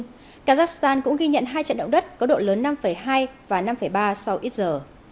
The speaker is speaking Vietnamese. nhưng kazakhstan cũng ghi nhận hai trận động đất có độ lớn năm hai và năm ba sau ít giờ